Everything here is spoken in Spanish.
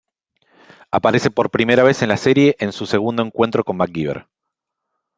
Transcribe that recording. Aparece por primera vez en la serie en su segundo encuentro con MacGyver.